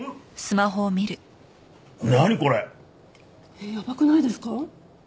えっやばくないですか？